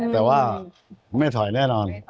แต่ว่าไม่ถอยแน่นอน